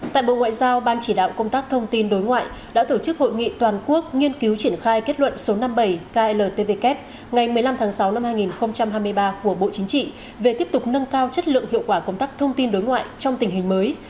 tại bộ ngoại giao ban chỉ đạo công tác thông tin đối ngoại đã tổ chức hội nghị toàn quốc nghiên cứu triển khai kết luận số năm mươi bảy kltvk ngày một mươi năm tháng sáu năm hai nghìn hai mươi ba của bộ chính trị về tiếp tục nâng cao chất lượng hiệu quả công tác thông tin đối ngoại trong tình hình mới